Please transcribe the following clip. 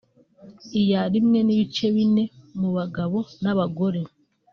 iya ¼ mu bagabo n’abagore